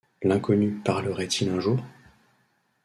L’inconnu parlerait-il un jour ?